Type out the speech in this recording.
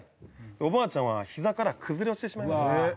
おばあちゃんはひざから崩れ落ちてしまいます。